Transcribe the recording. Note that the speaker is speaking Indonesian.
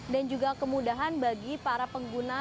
dan juga kemudahan bagi para pengguna